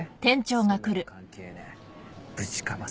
そんなの関係ねえぶちかませ」